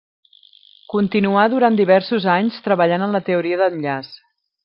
Continuà durant diversos anys treballant en la teoria d'enllaç.